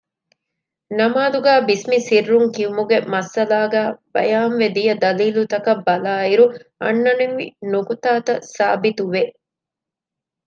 ނަމާދުގައި ބިސްމި ސިއްރުން ކިއުމުގެ މައްސަލާގައި ބަޔާންވެދިޔަ ދަލީލުތަކަށް ބަލާއިރު އަންނަނިވި ނުކުތާތައް ސާބިތުވެ